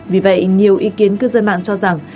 vì vậy nhiều ý kiến cư dân mạng cho rằng